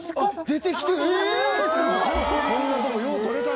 出てきた。